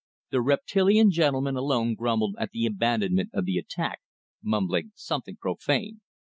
The reptilian gentleman alone grumbled at the abandonment of the attack, mumbling something profane.